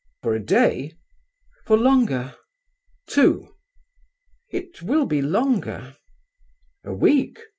"For a day?" "For longer." "Two?" "It will be longer." "A week?